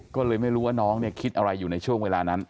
ก็เลยไม่รู้ว่าน้องเนี่ยคิดอะไรอยู่ในช่วงเวลานั้น